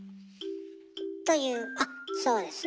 というあっそうですねえ